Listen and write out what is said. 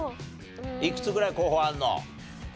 いくつぐらい候補あるの？